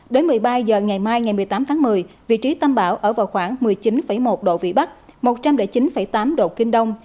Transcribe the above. đến một mươi ba h ngày mai ngày một mươi tám tháng một mươi vị trí tâm bão ở vào khoảng một mươi chín một độ vĩ bắc một trăm linh chín tám độ kinh đông